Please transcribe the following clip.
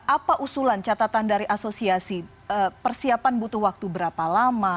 apa usulan catatan dari asosiasi persiapan butuh waktu berapa lama